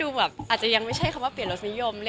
คือคิดอะไม่ได้มีความคิดที่จะแบบ